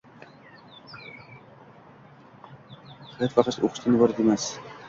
Hayot faqat o`qishdan iborat emas